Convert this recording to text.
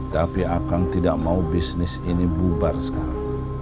tapi akang tidak mau bisnis ini bubar sekarang